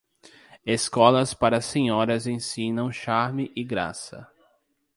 Escolas para senhoras ensinam charme e graça.